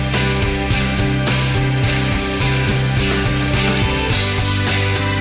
bilis khasnya agar tidak dipercepolkan